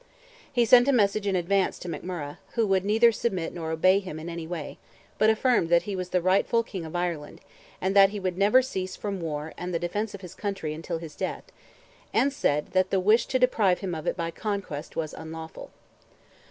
He sent a message in advance to McMurrogh, "who would neither submit nor obey him in anyway; but affirmed that he was the rightful King of Ireland, and that he would never cease from war and the defence of his country until his death; and said that the wish to deprive him of it by conquest was unlawful."